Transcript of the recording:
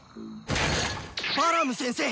バラム先生！